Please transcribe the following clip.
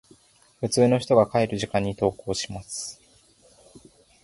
普通の人が帰る時間に登校します。